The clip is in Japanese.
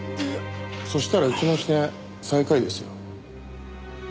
そしたらうちの支店最下位ですよ。